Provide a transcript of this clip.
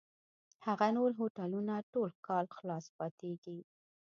هغه نور هوټلونه ټول کال خلاص پاتېږي.